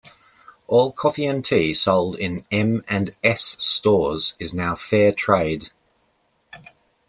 All coffee and tea sold in M and S stores is now Fairtrade.